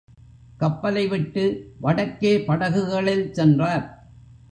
கப்பலை விட்டு வடக்கே படகுகளில் சென்றார்.